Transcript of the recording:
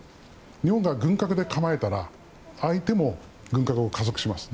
日本が軍拡で構えたら相手も軍拡を加速します。